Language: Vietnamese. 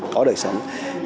có đời sống